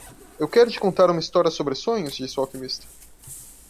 "Eu quero te contar uma história sobre sonhos?", disse o alquimista.